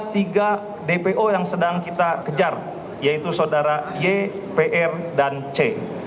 tiga dpo yang sedang kita kejar yaitu saudara y pr dan c